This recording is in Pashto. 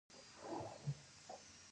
هغه باید د ملاتړ حق له لاسه ورنکړي.